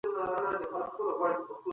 ولي ځینو سوداګرو تل په خوندي لارو سفر کاوه؟